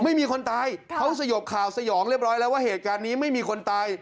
ไม่มีคนตายเขาสยบข่าวสยองเรียบร้อยแล้วว่าเหตุการณ์นี้ไม่มีคนตาย